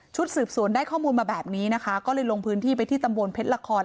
สืบสวนได้ข้อมูลมาแบบนี้นะคะก็เลยลงพื้นที่ไปที่ตำบลเพชรละคร